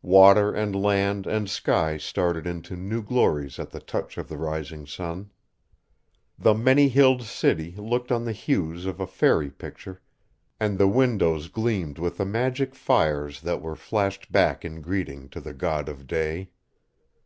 Water and land and sky started into new glories at the touch of the rising sun. The many hilled city took on the hues of a fairy picture, and the windows gleamed with the magic fires that were flashed back in greeting to the god of day.